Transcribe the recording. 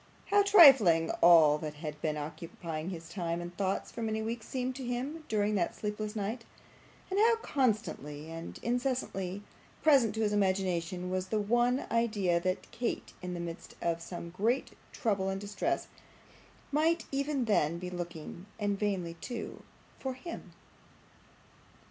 How trifling all that had been occupying his time and thoughts for many weeks seemed to him during that sleepless night, and how constantly and incessantly present to his imagination was the one idea that Kate in the midst of some great trouble and distress might even then be looking and vainly too for him!